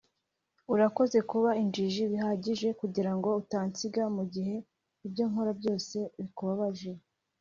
urakoze kuba injiji bihagije kugirango utansiga mugihe ibyo nkora byose bikubabaje.